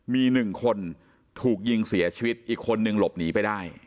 มี๑คนถูกยิงเสียชีวิตอีกคนนึงหลบหนีไปได้